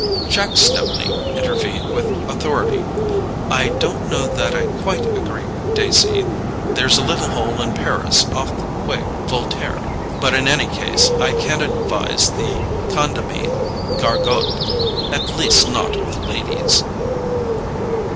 Jack Stepney intervened with authority. "I don't know that I quite agree with Dacey: there's a little hole in Paris, off the Quai Voltaire—but in any case, I can't advise the Condamine GARGOTE; at least not with ladies."